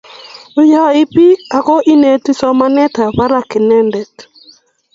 inyoi biik ago ineti somanetabbarak inendet